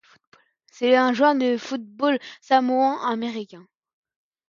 C'est un joueur de football samoan-américain.